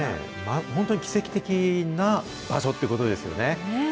本当に奇跡的な場所ってことですよね。